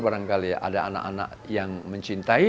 barangkali ada anak anak yang mencintai